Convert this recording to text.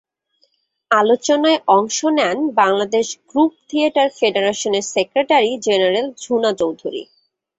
আলোচনায় অংশ নেন বাংলাদেশ গ্রুপ থিয়েটার ফেডারেশনের সেক্রেটারি জেনারেল ঝুনা চৌধুরী।